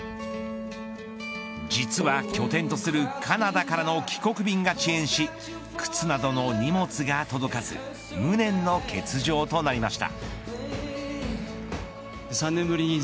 実は拠点とするカナダからの帰国便が遅延し靴などの荷物が届かず無念の欠場となりました。